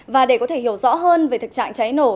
và để có thể hiểu rõ hơn về thực trạng cháy nổ